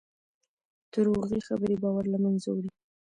دروغې خبرې باور له منځه وړي.